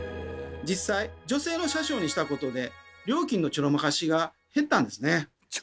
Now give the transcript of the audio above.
実際女性の車掌にしたことで料金のちょろまかしが減ったんですね。